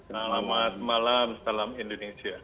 selamat malam salam indonesia